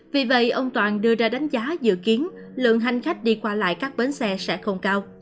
vì vậy ông toàn đưa ra đánh giá dự kiến lượng hành khách đi qua lại các bến xe sẽ không cao